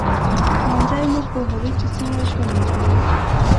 ښوونځی موږ پوهوي چې څنګه ژوند وکړو